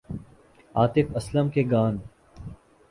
عاطف اسلم کے گان